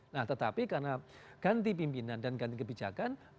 nah tetapi karena ganti pimpinan dan ganti kebijakan